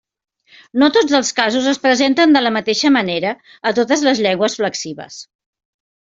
No tots els casos es presenten de la mateixa manera a totes les llengües flexives.